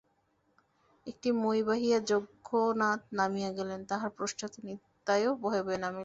একটি মই বাহিয়া যজ্ঞনাথ নামিয়া গেলেন, তাঁহার পশ্চাতে নিতাইও ভয়ে ভয়ে নামিল।